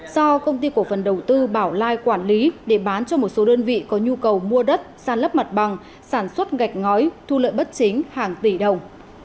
do công ty cổ phần đầu tư bảo lai quản lý để bán cho một số đơn vị có nhu cầu mua đất san lấp mặt bằng sản xuất gạch ngói thu lợi bất chính hàng tỷ đồng